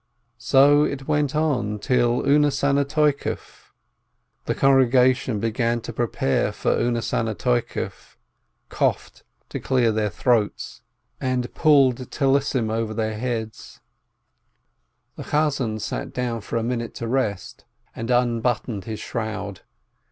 So it went on till U Nesanneh Toikef. The congregation began to prepare for U Nesanneh Toikef, coughed, to clear their throats, and pulled the 204 ROSENTHAL Tallesim over their heads. The cantor sat down for a minute to rest, and unbuttoned his shroud.